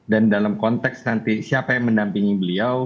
dan dalam konteks nanti siapa yang mendampingi beliau